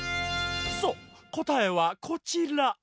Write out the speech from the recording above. そうこたえはこちら。